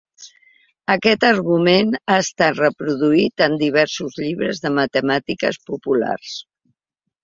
Aquest argument ha estat reproduït en diversos llibres de matemàtiques populars.